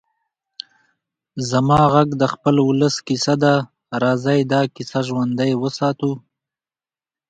زما غږ د خپل ولس کيسه ده؛ راځئ دا کيسه ژوندۍ وساتو.